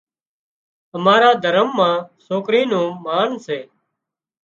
امارا دهرم مان سوڪرِي نُون مانَ سي